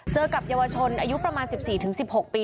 กับเยาวชนอายุประมาณ๑๔๑๖ปี